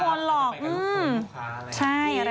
ไปกับลูกค้าใช่อะไรแบบนั้น